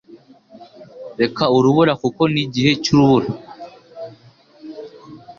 Reka urubura kuko nigihe cyurubura